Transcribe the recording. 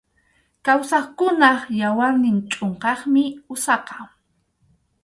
Kawsaqkunap yawarnin chʼunqaqmi usaqa.